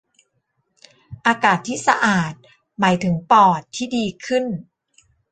อากาศที่สะอาดหมายถึงปอดที่ดีขึ้น